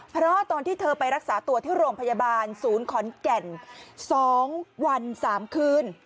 เพราะตอนที่เธอไปรักษาตัวที่โรงพยาบาลศูนย์ขอนแก่น๒วัน๓คืน